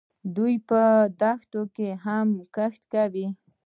دوی په دښتو کې هم کښت کوي.